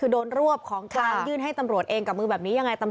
คือโดนรวบของกลางยื่นให้ตำรวจเองกับมือแบบนี้ยังไง